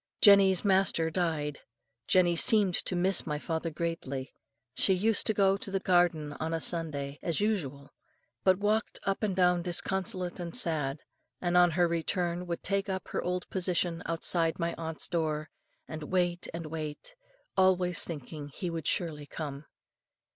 Jenny's master died. "Jenny seemed to miss my father greatly. She used to go to the garden on a Sunday, as usual, but walked up and down disconsolate and sad; and on her return would take up her old position outside my aunt's door, and wait and wait, always thinking he would surely come.